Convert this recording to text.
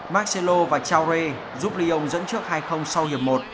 marcelo và chauret giúp lyon dẫn trước hai sau hiệp một